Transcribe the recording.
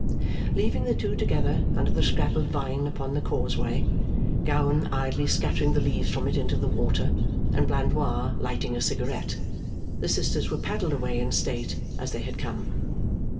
Leaving the two together under the scrap of vine upon the causeway, Gowan idly scattering the leaves from it into the water, and Blandois lighting a cigarette, the sisters were paddled away in state as they had come.